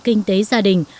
kinh tế gia đình